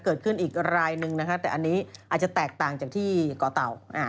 เกิดขึ้นอีกรายนึงนะคะแต่อันนี้อาจจะแตกต่างจากที่ก่อเต่า